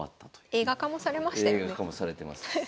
映画化もされてます。